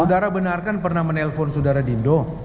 sudara benarkan pernah menelpon sudara dindo